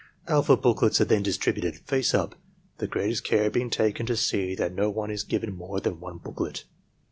Alpha booklets are then distributed, face up, the greatest care being taken to see that no one is given more than one booklet.